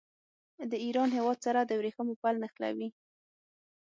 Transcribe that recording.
د ایران هېواد سره د ورېښمو پل نښلوي.